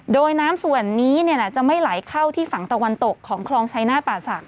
โดยน้ำส่วนนี้จะไม่ไหลเข้าที่ฝั่งตะวันตกของคลองชายนาฏป่าศักด